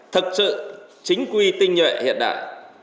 thực sự chính quy tinh nhuệ hiện đại